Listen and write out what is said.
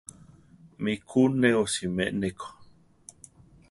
Mí ku ne osimé ne ko.